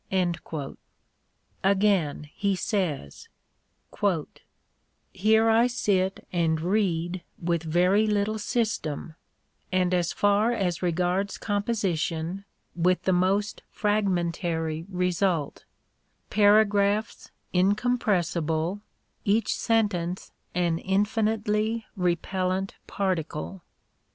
Again, he says : Here I sit and read with very little system, and as far as regards composition writh the most fragmentary result : paragraphs incompressible, each sentence an infinitely repellent particle.